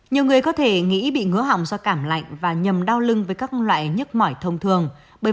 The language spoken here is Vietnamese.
nhiều người có thể nghĩ bị ngứa hỏng do cảm lạnh và nhầm đau lưng với các loại nhức mỏi thông thường